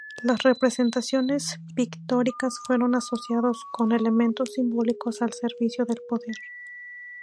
Las representaciones pictóricas fueron asociadas con elementos simbólicos al servicio del poder.